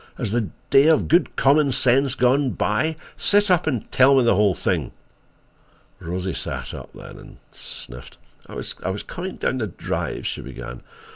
"Has the day of good common sense gone by! Sit up and tell me the whole thing." Rosie sat up then, and sniffled. "I was coming up the drive—" she began.